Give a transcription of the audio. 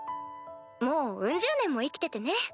もうウン十年も生きててね。